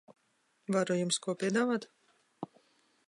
Varu jums ko piedāvāt?